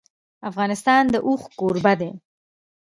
افغانستان د اوښ کوربه دی.